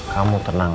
kamu tenang aja